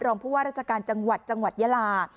ผู้ว่าราชการจังหวัดจังหวัดยาลา